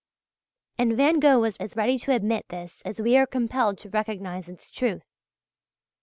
And Van Gogh was as ready to admit this as we are compelled to recognize its truth.